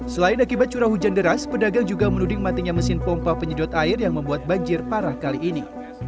selain akibat curah hujan deras pedagang juga menuding matinya mesin pompa penyedot air yang membuat banjir parah kali ini